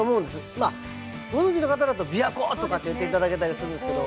まあご存じの方だとびわ湖とかって言っていただけたりするんですけど。